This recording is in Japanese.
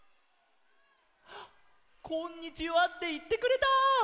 「こんにちは」っていってくれた！